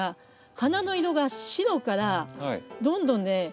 花の色が白からどんどんね